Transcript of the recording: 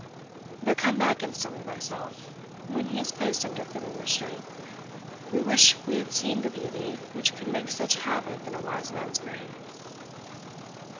But come back instantly thyself, when he is placed under fitting restraint. We wish we had seen the beauty which could make such havoc in a wise man's brain."